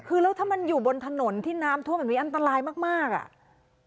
คือแล้วถ้ามันอยู่บนถนนที่น้ำท่วมแบบนี้อันตรายมากมากอ่ะ